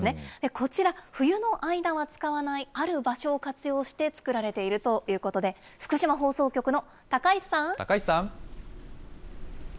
こちら、冬の間は使わないある場所を活用して作られているということで、福島放送局の高石さん。